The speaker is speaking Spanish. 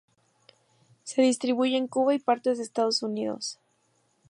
Se distribuye en Cuba y partes de Estados Unidos.